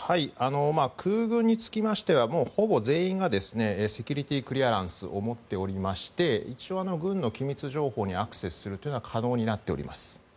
空軍につきましてはほぼ全員がセキュリティークリアランスを持っておりまして一応、軍の機密情報にアクセスするのは可能になっております。